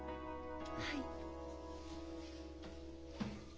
はい。